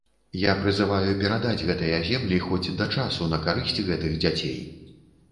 Я прызываю перадаць гэтыя землі, хоць да часу, на карысць гэтых дзяцей.